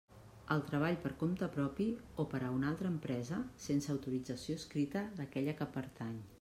El treball per compte propi o per a una altra empresa, sense autorització escrita d'aquella que pertany.